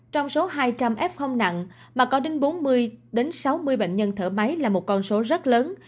trong số hai trăm linh f nặng mà có đến bốn mươi sáu mươi bệnh nhân thở máy là một con số rất lớn